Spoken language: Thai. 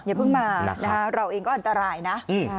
อย่าเพิ่งมานะคะเราเองก็อันตรายนะ